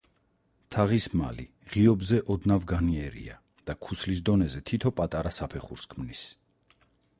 თაღის მალი ღიობზე ოდნავ განიერია და ქუსლის დონეზე თითო პატარა საფეხურს ქმნის.